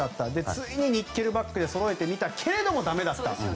ついにニッケルバックでそろえてみたけどだめだった。